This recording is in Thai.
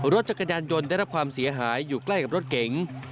รถจักรยานยนต์ได้รับความเสียหายอยู่ใกล้กับรถเก๋ง